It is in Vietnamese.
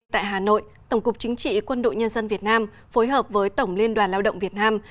tại hà nội tổng cục chính trị quân đội nhân dân việt nam phối hợp với tổng liên đoàn lao động việt nam